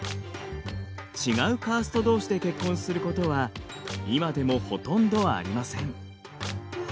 違うカーストどうしで結婚することは今でもほとんどありません。